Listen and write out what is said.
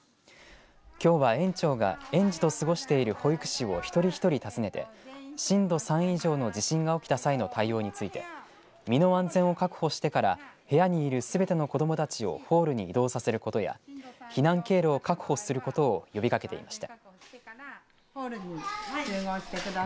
きょうは園長が園児と過ごしている保育士を一人一人訪ねて震度３以上の地震が起きた際の対応について身の安全を確保してから部屋にいるすべての子どもたちをホールに移動させることや避難経路を確保することを呼びかけていました。